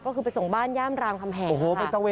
ก็คือไปส่งบ้านแย่มรามคำแหนส์ค่ะ